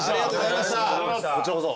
こちらこそ。